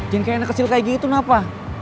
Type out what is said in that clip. jangan kayak anak kecil kayak gitu kenapa